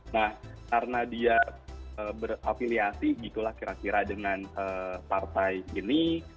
nah karena dia berafiliasi gitu lah kira kira dengan partai ini